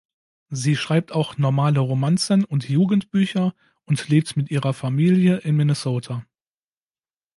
Sie schreibt auch normale Romanzen und Jugendbücher und lebt mit ihrer Familie in Minnesota.